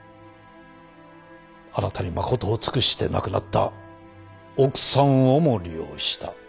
あなたに誠を尽くして亡くなった奥さんをも利用した。